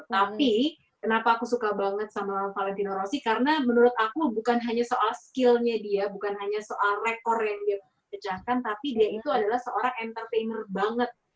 tapi kenapa aku suka banget sama valentino rossi karena menurut aku bukan hanya soal skillnya dia bukan hanya soal rekor yang dia pecahkan tapi dia itu adalah seorang entertainer banget